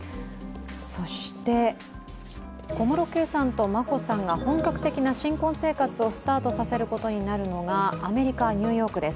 小室圭さんと眞子さんが本格的な新婚生活をスタートさせることになるのがアメリカ・ニューヨークです。